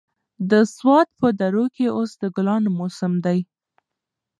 د سوات په درو کې اوس د ګلانو موسم دی.